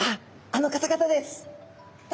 あの方々です。